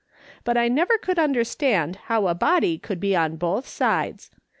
But I never could understand how a body could be on both sides.